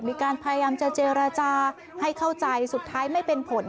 มีการพยายามจะเจรจาให้เข้าใจสุดท้ายไม่เป็นผล